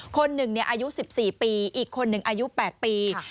คนหนึ่งอายุ๑๔ปีอีกคนหนึ่งอายุ๘ปี